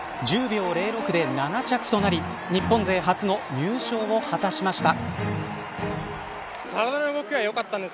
１０秒０６で７着となり日本勢初の入賞を果たしました。